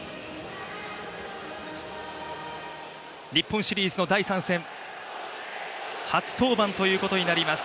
日本シリーズの第３戦、初登板ということになります